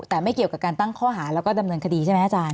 แต่ไม่เกี่ยวกับการตั้งข้อหาแล้วก็ดำเนินคดีใช่ไหมอาจารย